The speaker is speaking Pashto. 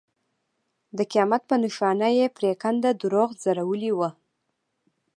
د قیامت په نښانه یې پرېکنده دروغ ځړولي وو.